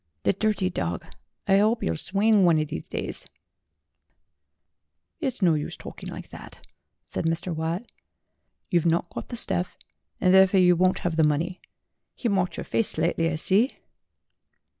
The dirty dog, I 'ope 'e'll swing one o' these days !" "It's no use talking like that," said Mr. Watt. "You've not got the stuff, and therefore you won't have the money. He marked your face slightly, I see."